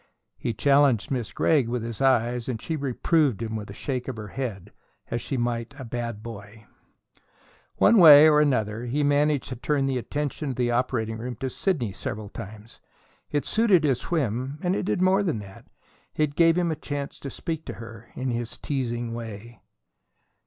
He challenged Miss Gregg with his eyes, and she reproved him with a shake of her head, as she might a bad boy. One way and another, he managed to turn the attention of the operating room to Sidney several times. It suited his whim, and it did more than that: it gave him a chance to speak to her in his teasing way.